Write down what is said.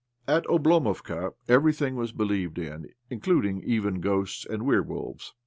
OBLOMOV 117 At Oblomovka everything was believed in — including even ghosts and werewolves.